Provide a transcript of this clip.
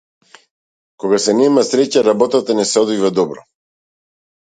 Кога се нема среќа работата не се одвива добро.